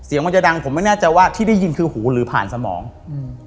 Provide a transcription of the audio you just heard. มันจะดังผมไม่แน่ใจว่าที่ได้ยินคือหูหรือผ่านสมองอืม